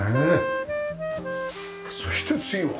そして次は？